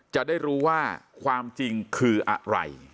จะได้รู้ว่าความจริงคืออะไร